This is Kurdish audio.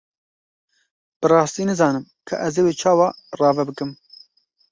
Bi rastî nizanim ka ez ê wê çawa rave bikim.